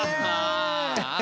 ああ。